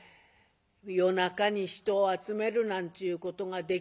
「夜中に人を集めるなんちゅうことができるかいや？」。